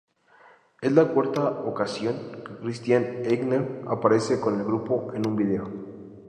Es la cuarta ocasión que Christian Eigner aparece con el grupo en un vídeo.